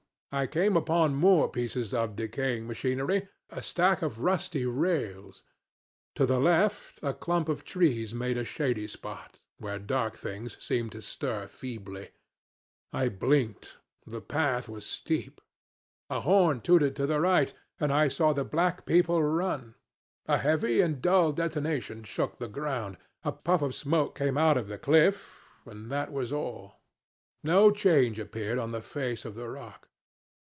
I came upon more pieces of decaying machinery, a stack of rusty rails. To the left a clump of trees made a shady spot, where dark things seemed to stir feebly. I blinked, the path was steep. A horn tooted to the right, and I saw the black people run. A heavy and dull detonation shook the ground, a puff of smoke came out of the cliff, and that was all. No change appeared on the face of the rock.